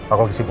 aku lagi sibuk